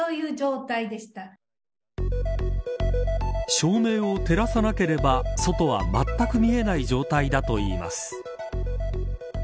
照明を照らさなければ外はまったく見えない状態だといいます。